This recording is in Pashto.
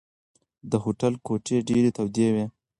د هوټل کوټې ډېرې تودې دي.